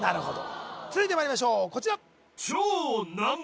続いてまいりましょうこちら